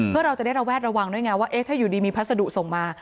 เพื่อเราจะได้ระแวดระวังด้วยไงว่าถ้าอยู่ดีมีพัสดุส่งมา